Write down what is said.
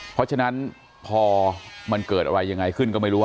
เพราะฉะนั้นพอมันเกิดอะไรยังไงขึ้นก็ไม่รู้ว่า